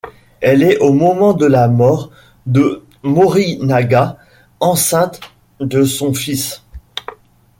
Elle est au moment de la mort de Morinaga enceinte de son fils.